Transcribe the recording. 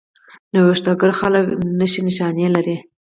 نوښتګر خلک څلور نښې نښانې لري.